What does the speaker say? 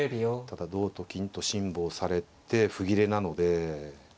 ただ同と金と辛抱されて歩切れなので。